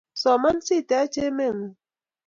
Soman si tech emet ng'uung